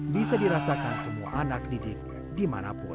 bisa dirasakan semua anak didik dimanapun